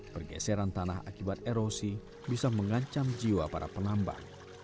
pergeseran tanah akibat erosi bisa mengancam jiwa para penambang